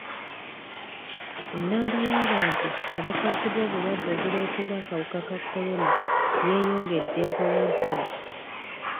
Ennamba y'abantu abakwatibwa obulwadde obuleetebwa akawuka ka kolona yeeyongedde mpola mpola.